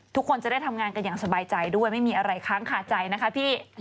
ทุกคนจะได้ทำงานกันอย่างสบายใจด้วยไม่มีอะไรค้างคาใจนะคะพี่